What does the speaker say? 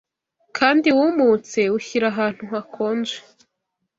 kandi wumutse wushyire ahantu hakonje.